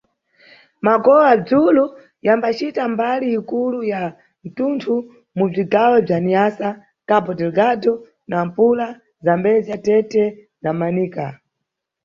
Magowa-dzulu yambacita mbali ikulu ya mtunthu mu bzigawo bza Niassa, Cabo-Delegado, Nampula, Zambézia, Tete na Manica.